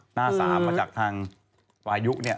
หน้า๓มาจากทางวายุเนี่ย